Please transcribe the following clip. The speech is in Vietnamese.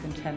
ở việt nam